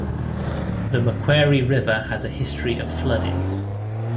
The Macquarie River has a history of flooding.